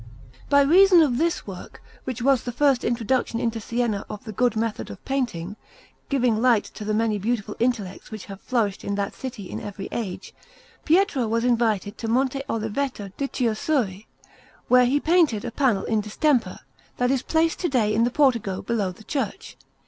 By reason of this work, which was the first introduction into Siena of the good method of painting, giving light to the many beautiful intellects which have flourished in that city in every age, Pietro was invited to Monte Oliveto di Chiusuri, where he painted a panel in distemper that is placed to day in the portico below the church.